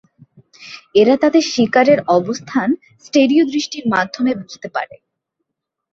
এরা তাদের শিকারের অবস্থান স্টেরিও দৃষ্টির মাধ্যমে বুঝতে পারে।